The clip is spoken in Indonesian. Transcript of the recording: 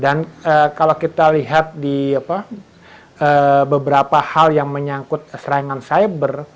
dan kalau kita lihat di beberapa hal yang menyangkut serangan siber